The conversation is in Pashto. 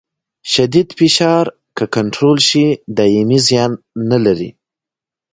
شدید فشار که کنټرول شي دایمي زیان نه لري.